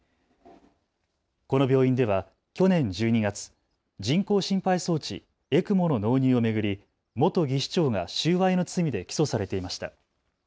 この病院では去年１２月、人工心肺装置・ＥＣＭＯの納入を巡り、元技士長が収賄の罪で起訴されていました。